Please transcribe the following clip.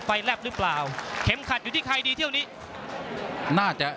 พี่น้องอ่ะพี่น้องอ่ะ